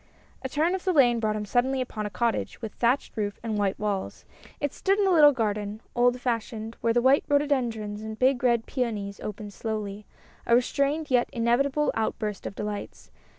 A turn of the lane brought him suddenly upon a cottage, with thatched roof and white walls ; it stood in a little garden, old fashioned, where the white rhododendrons and big red peonies opened slowly, a restrained and yet inevitable outburst of delights.